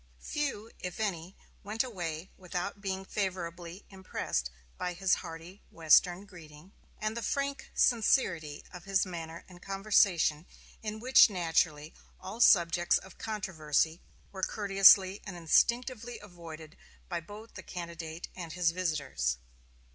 Few, if any, went away without being favorably impressed by his hearty Western greeting, and the frank sincerity of his manner and conversation, in which, naturally, all subjects of controversy were courteously and instinctively avoided by both the candidate and his visitors.